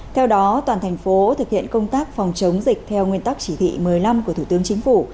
theo đó toàn thành phố thực hiện công tác phòng chống dịch theo nguyên tắc chỉ thị một mươi năm của thủ tướng chính phủ